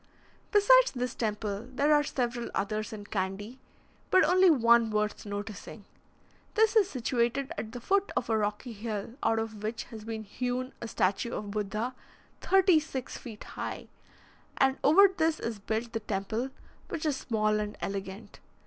Besides this temple, there are several others in Candy, but only one worth noticing. This is situated at the foot of a rocky hill, out of which has been hewn a statue of Buddha, thirty six feet high, and over this is built the temple, which is small and elegant.